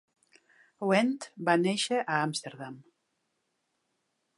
Went va néixer a Amsterdam.